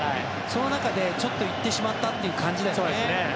その中で、ちょっといってしまったという感じでしたね。